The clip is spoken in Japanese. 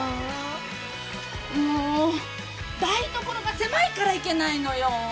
台所が狭いからいけないのよ。